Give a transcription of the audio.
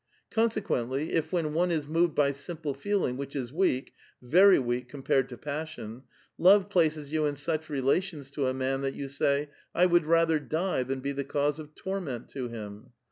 Consequently, if when one is moved by simple feeling, which is weak, very weak compared to pas sion, love places you in such relations to a man that you say, 'I would rather die than be the cause of torment to him.'